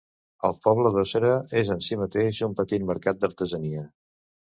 El poble d'Ossera és en si mateix un petit mercat d'artesania.